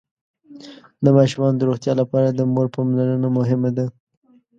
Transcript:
د ماشومانو د روغتيا لپاره د مور پاملرنه مهمه ده.